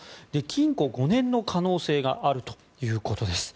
禁錮５年の可能性があるということです。